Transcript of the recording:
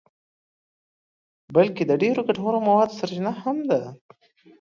بلکه د ډېرو ګټورو موادو سرچینه هم ده.